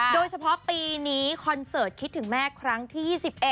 โดยเฉพาะปีนี้คอนเสิร์ตคิดถึงแม่ครั้งที่๒๑